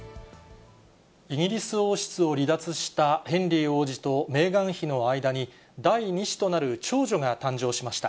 イギリス王室を離脱したヘンリー王子とメーガン妃の間に、第２子となる長女が誕生しました。